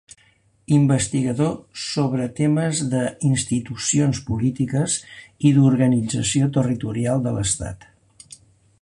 Investigador sobre temes d'institucions polítiques i d'organització territorial de l'Estat.